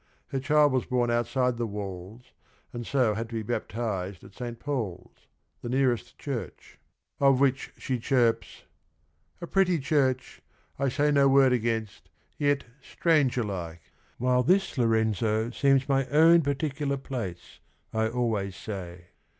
Her child was born outside the walls and so had to be baptized at St. Paul's, the nearest church, of which she chirps : "A pretty church, I say no word against, Yet stranger like, — while this Lorenzo seems My own particular place, I always say."